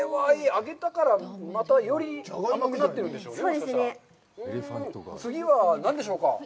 揚げたから、またより甘くなってるんでしょうね。